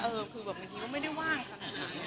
เออคือแบบหนึ่งทีก็ไม่ได้ว่างค่ะ